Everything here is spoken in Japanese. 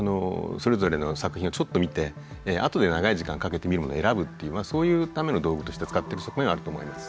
それぞれの作品をちょっと見てあとで長い時間かけて見るものを選ぶってそういうための道具として使っている側面はあると思います。